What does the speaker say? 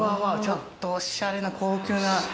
ちょっとおしゃれな高級な。